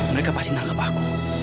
mereka pasti nangkep aku